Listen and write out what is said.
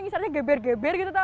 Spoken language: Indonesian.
misalnya geber geber gitu tau